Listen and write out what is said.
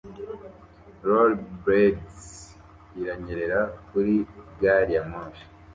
Rollerblades iranyerera kuri gari ya moshi